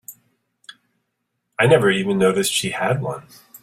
I never even noticed she had one.